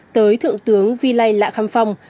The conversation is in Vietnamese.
tới thượng tướng phi lây lạ khăm phong